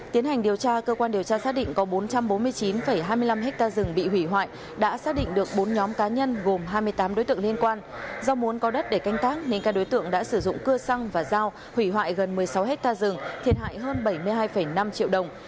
tiến hành điều tra cơ quan điều tra xác định có bốn trăm bốn mươi chín hai mươi năm hectare rừng bị hủy hoại đã xác định được bốn nhóm cá nhân gồm hai mươi tám đối tượng liên quan do muốn có đất để canh tác nên các đối tượng đã sử dụng cưa xăng và dao hủy hoại gần một mươi sáu hectare rừng thiệt hại hơn bảy mươi hai năm triệu đồng